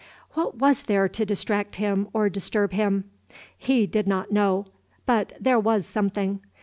What was there to distract him or disturb him? He did not know, but there was something.